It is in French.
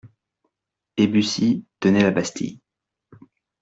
Et Bussy tenait la Bastille.